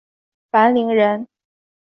樊陵人。